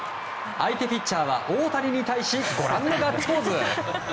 相手ピッチャーは大谷に対しご覧のガッツポーズ。